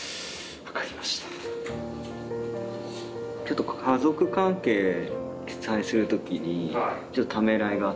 ちょっと家族関係記載する時にちょっとためらいがあったっていうのは。